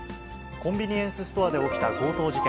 コンビニエンスストアで起きた強盗事件。